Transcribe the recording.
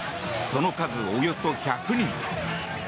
その数、およそ１００人。